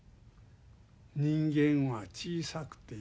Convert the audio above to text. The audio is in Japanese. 人間は小さくて弱い。